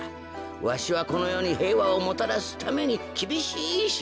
わしはこのよにへいわをもたらすためにきびしいしゅぎょうを。